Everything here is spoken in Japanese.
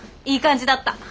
いい感じだった。